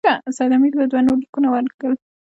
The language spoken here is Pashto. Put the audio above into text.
سید امیر ته دوه نور لیکونه ولیکل.